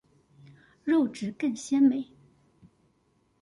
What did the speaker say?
肉質更鮮美